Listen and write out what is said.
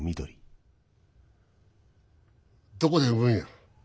どこで産むんや？